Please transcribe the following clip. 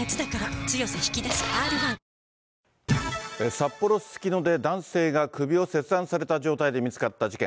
札幌・すすきので男性が首を切断された状態で見つかった事件。